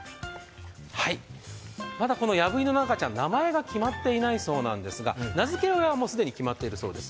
まだ、このヤブイヌの赤ちゃん、名前が決まっていないそうなんですが、名付け親はもう既に決まっているそうです。